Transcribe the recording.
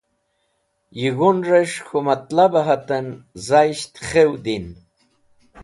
Yig̃hunrẽs̃h k̃hũ matlabẽ hatẽn zayisht khew din.